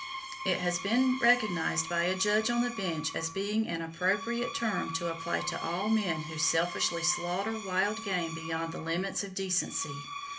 It has been recognized by a judge on the bench as being an appropriate term to apply to all men who selfishly slaughter wild game beyond the limits of decency.